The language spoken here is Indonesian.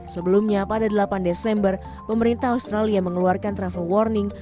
sebelumnya pada delapan desember pemerintah australia mengeluarkan travel warning